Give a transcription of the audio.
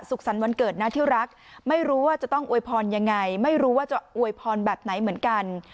สรรค์วันเกิดนะที่รักไม่รู้ว่าจะต้องอวยพรยังไงไม่รู้ว่าจะอวยพรแบบไหนเหมือนกัน